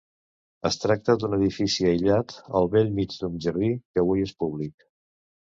Es tracta d'un edifici aïllat al bell mig d'un jardí que avui és públic.